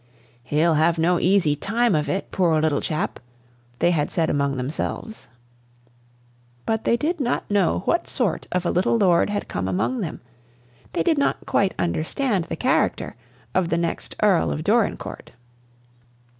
"He'll have no easy time of it, poor little chap," they had said among themselves. But they did not know what sort of a little lord had come among them; they did not quite understand the character of the next Earl of Dorincourt.